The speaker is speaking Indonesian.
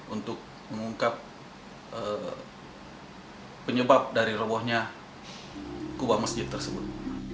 untuk mengungkap penyebab dari robohnya kubah masjid tersebut